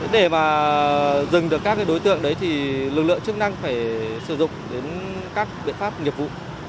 để mà dừng được các đối tượng đấy thì lực lượng chức năng phải sử dụng đến các biện pháp nghiệp vụ